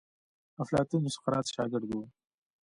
افلاطون د سقراط شاګرد وو.